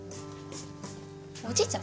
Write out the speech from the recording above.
おじいちゃん